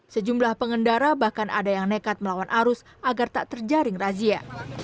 sejumlah pengendara bahkan ada yang nekat melawan arus agar tak terjaring razia